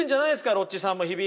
ロッチさんも日々。